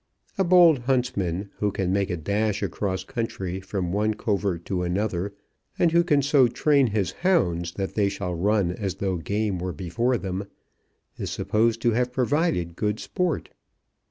A bold huntsman who can make a dash across country from one covert to another, and who can so train his hounds that they shall run as though game were before them, is supposed to have provided good sport.